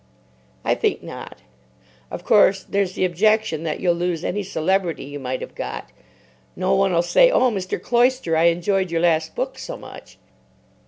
"I think not. Of course, there's the objection that you'll lose any celebrity you might have got. No one'll say, 'Oh, Mr. Cloyster, I enjoyed your last book so much!